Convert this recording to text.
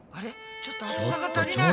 ちょっと熱さが足りない。